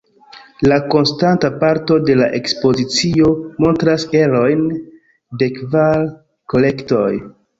La konstanta parto de la ekspozicio montras erojn de kvar kolektoj.